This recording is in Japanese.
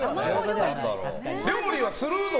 料理はするの？